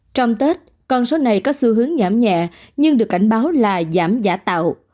trong tết con số này có xu hướng giảm nhẹ nhưng được cảnh báo là giảm giả tạo